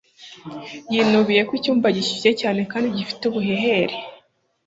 yinubiye ko icyumba gishyushye cyane kandi gifite ubuhehere